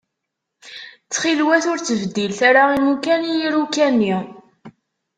Ttxil-wat ur ttbeddilet ara imukan i iruka-nni.